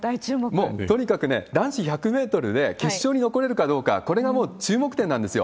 もうとにかくね、男子１００メートルで決勝に残れるかどうか、これがもう、注目点なんですよ。